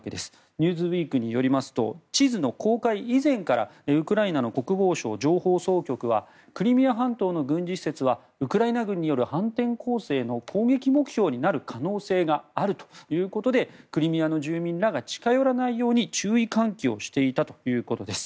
「ニューズウィーク」によりますと地図の公開以前からウクライナの国防省情報総局はクリミア半島の軍事施設はウクライナ軍による反転攻勢の攻撃目標になる可能性があるということでクリミアの住民らが近寄らないように注意喚起をしていたということです。